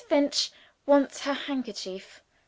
Finch wants her handkerchief.